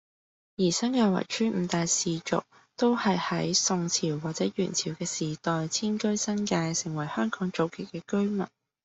而新界圍村五大氏族，都係喺宋朝或者元朝嘅時代遷居新界，成為香港早期嘅居民